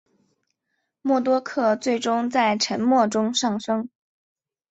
默多克最终在沉没中丧生。